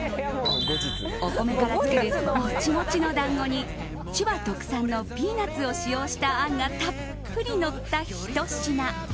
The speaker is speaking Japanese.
お米から作るモチモチの団子に千葉特産のピーナツを使用したあんがたっぷりのったひと品。